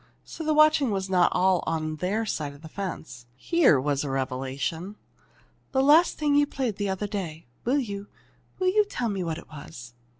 So the watching was not all on their side of the fence! Here was a revelation! "That last thing you played the other day will you will you tell me what it was?"